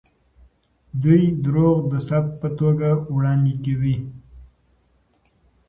دوی دروغ د ثبوت په توګه وړاندې کوي.